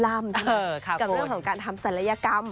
กับเรื่องของการทำศัลยกรรม